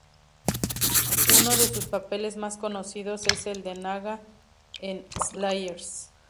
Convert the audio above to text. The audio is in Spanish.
Uno de sus papeles más conocidos es el de Naga en "Slayers".